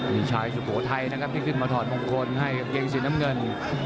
มีชายสุโขทัยนะครับที่ขึ้นมาถอดมงคลให้กางเกงสีน้ำเงิน